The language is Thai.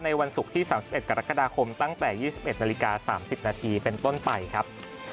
วันศุกร์ที่๓๑กรกฎาคมตั้งแต่๒๑นาฬิกา๓๐นาทีเป็นต้นไปครับ